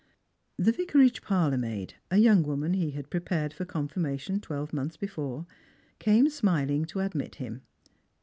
The vicarage parlour maid — a young woman he had prepared for confirmation twelve months before — came smiling to admit him.